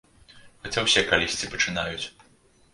Хаця ўсе калісьці пачынаюць.